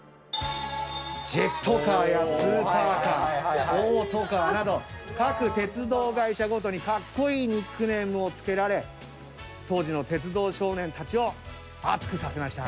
ジェット・カーやスーパーカーオートカーなど各鉄道会社ごとにかっこいいニックネームを付けられ当時の鉄道少年たちを熱くさせました。